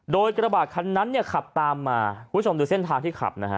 โดยกระบาดคันนั้นเนี่ยขับตามมาคุณผู้ชมดูเส้นทางที่ขับนะฮะ